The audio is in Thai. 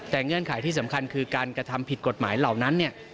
แต่เงื่อนไขที่สำคัญคือการกระทำผิดกฎหมายเหล่านั้นเนี่ย